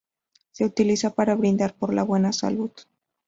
Se utiliza para brindar por la buena salud.